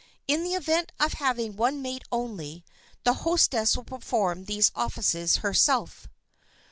In the event of having one maid only, the hostess will perform these offices herself.